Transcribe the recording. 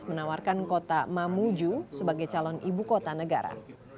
menawarkan kota mamuju sebagai calon ibu kota negara